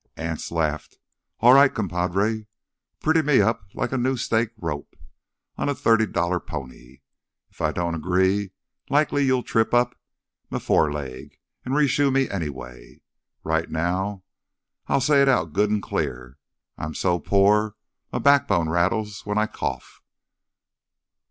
Anse laughed. "All right, compadre, pretty me up like a new stake rope on a thirty dollar pony. If I don't agree, likely you'll trip up m' foreleg an' reshoe me anyway. Right now—I'll say it out good'n clear—I'm so pore m' backbone rattles when I cough."